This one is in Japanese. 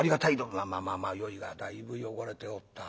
「まあまあまあまあよいがだいぶ汚れておった。